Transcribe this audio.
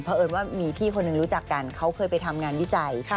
เพราะเอิญว่ามีพี่คนหนึ่งรู้จักกันเขาเคยไปทำงานวิจัย